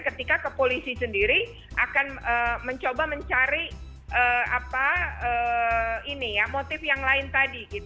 ketika ke polisi sendiri akan mencoba mencari motif yang lain tadi